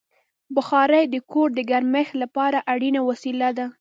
بخاري د کور د ګرمښت لپاره اړینه وسیله ده.